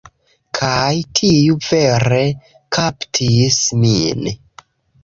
Kaj tiu vere kaptis min.